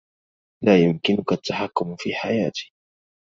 لا يمكنك التحكم في حياتي.